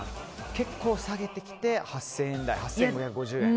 結構、下げてきて８０００円台８５５０円。